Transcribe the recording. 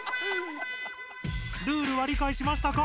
ルールはりかいしましたか？